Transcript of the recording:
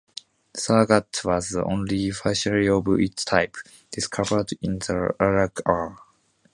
Sargat was the only facility of its type discovered in the Iraq war.